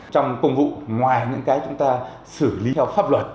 trong công vụ ngoài những cái chúng ta xử lý theo pháp luật